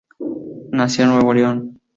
Nació en Nuevo León.